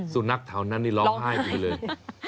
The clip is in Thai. สุนักเท้านั้นนี่ร้องไห้อีกเลย